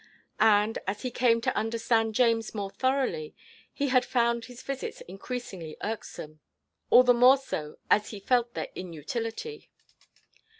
And, as he came to understand James more thoroughly, he had found his visits increasingly irksome, all the more so, as he felt their inutility.